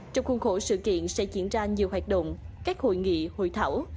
trong khuôn khổ sự kiện sẽ diễn ra nhiều hoạt động các hội nghị hội thảo